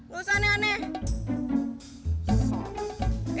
lo usah aneh aneh